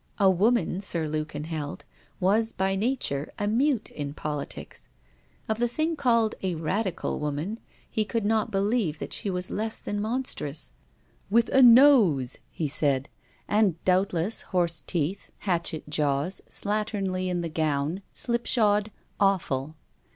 A woman, Sir Lukin held, was by nature a mute in politics. Of the thing called a Radical woman, he could not believe that she was less than monstrous: 'with a nose,' he said; and doubtless, horse teeth, hatchet jaws, slatternly in the gown, slipshod, awful.